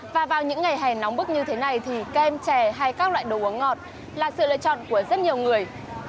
và vào những ngày hè nóng bức như thế này thì kem chè hay các loại đồ uống ngọt là sự lựa chọn của rất nhiều người